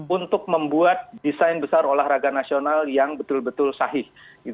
untuk membuat desain besar olahraga nasional yang betul betul sahih